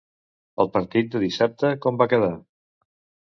El partit de dissabte com vam quedar?